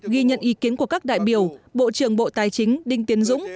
ghi nhận ý kiến của các đại biểu bộ trưởng bộ tài chính đinh tiến dũng